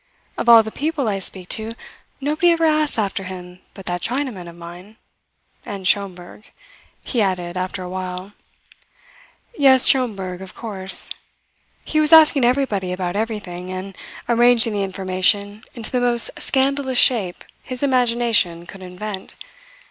"Of all the people I speak to, nobody ever asks after him but that Chinaman of mine and Schomberg," he added after a while. Yes, Schomberg, of course. He was asking everybody about everything, and arranging the information into the most scandalous shape his imagination could invent.